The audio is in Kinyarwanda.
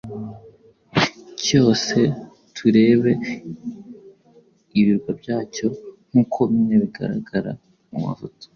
cyose turebe ibirwa byacyo nk’uko bimwe bigaragara mu mafoto